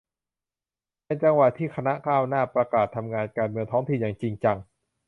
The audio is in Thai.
เป็นจังหวะที่คณะก้าวหน้าประกาศทำงานการเมืองท้องถิ่นอย่างจริงจัง